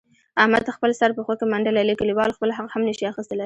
احمد خپل سر پښو کې منډلی، له کلیوالو خپل حق هم نشي اخستلای.